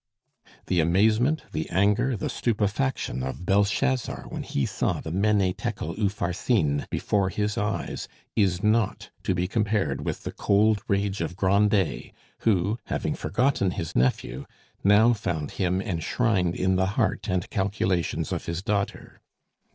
The amazement, the anger, the stupefaction of Belshazzar when he saw the Mene Tekel Upharsin before his eyes is not to be compared with the cold rage of Grandet, who, having forgotten his nephew, now found him enshrined in the heart and calculations of his daughter.